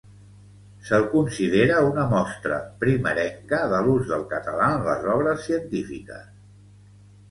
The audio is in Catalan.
Se'l considera una mostra primerenca de l'ús del català en les obres científiques.